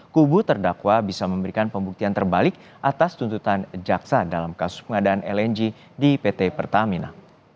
kubu terdakwa bisa memberikan pembuktian terbalik atas tuntutan jaksa dalam kasus pengadaan lng di pt pertamina